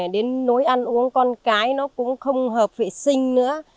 đến nối ăn uống con cái nó cũng không hợp vệ sinh nữa